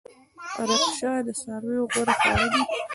رشقه د څارویو غوره خواړه دي